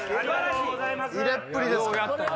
入れっぷりですから。